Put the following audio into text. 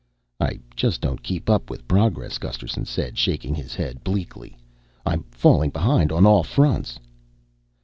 "I just don't keep up with progress," Gusterson said, shaking his head bleakly. "I'm falling behind on all fronts."